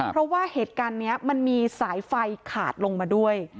เพราะว่าเหตุการณ์นี้มันมีสายไฟขาดลงมาด้วย